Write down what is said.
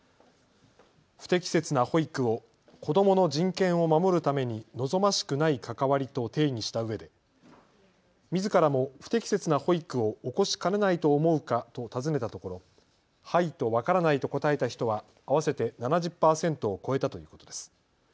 不適切な保育を子どもの人権を守るために望ましくない関わりと定義したうえでみずからも不適切な保育を起こしかねないと思うかと尋ねたところ、はいとわからないと答えた人は合わせて７０％を超えたということです。